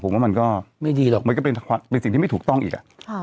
ผมว่ามันก็มันก็เป็นสิ่งที่ไม่ถูกต้องอีก